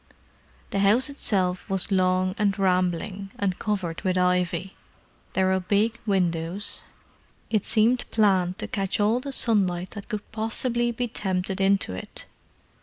The house itself was long and rambling, and covered with ivy. There were big windows—it seemed planned to catch all the sunlight that could possibly be tempted into it.